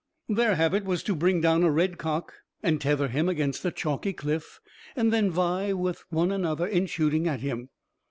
Their habit was to bring down a red cock, and tether him against a chalky cliff, and then vie with one another in shooting at him.